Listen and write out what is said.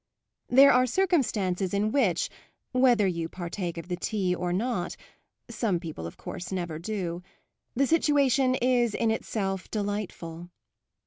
There are circumstances in which, whether you partake of the tea or not some people of course never do, the situation is in itself delightful.